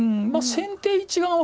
先手一眼は。